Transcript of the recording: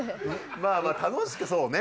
まあまあ楽しくそうね。